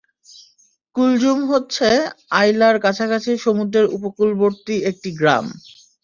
কুলযুম হচ্ছে আয়লার কাছাকাছি সমুদ্রের উপকূলবর্তী একটি গ্রাম।